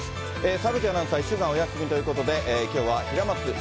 澤口アナウンサー、１週間お休みということで、きょうは平松翔